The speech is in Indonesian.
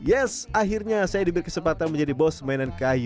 yes akhirnya saya diberi kesempatan menjadi bos mainan kayu